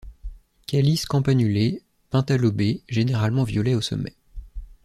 Calice campanulé, pentalobé, généralement violet au sommet.